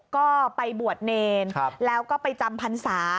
ก็ไปบวชเนรแล้วก็ไปจำพรรษา